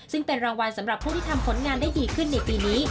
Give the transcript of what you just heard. ซึ่งเป็นรางวัลสำหรับผู้ที่ทำผลงานได้ดีขึ้นในปีนี้